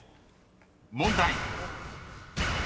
［問題］